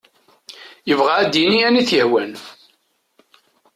Yebɣa ad d-yini ayen t-yehwan.